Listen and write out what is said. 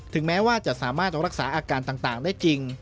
แม้ว่าจะสามารถรักษาอาการต่างได้จริง